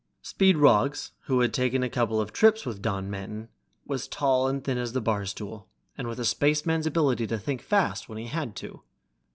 Speed Roggs, who had taken a couple of trips with Manton, was tall and thin as the barstool, and with a spaceman's ability to think fast when he had to.